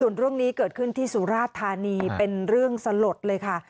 ส่วนเรื่องนี้เกิดขึ้นที่สุราธานีเป็นเรื่องสลดเลยค่ะ